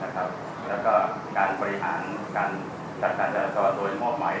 และการบริหารการจัดการจัดการตัวโดยมอบไหม